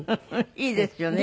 いいですよね。